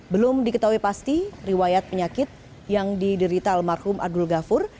belum diketahui pasti riwayat penyakit yang diderita almarhum abdul ghafur